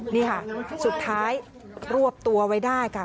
นี่ค่ะสุดท้ายรวบตัวไว้ได้ค่ะ